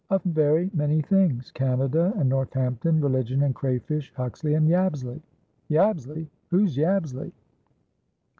"Of very many things. Canada and Northampton, religion and crayfish, Huxley andYabsley." "Yabsley? Who's Yabsley?"